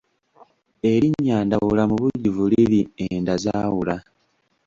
Erinnya Ndawula mubujjuvu liri Enda zaawula.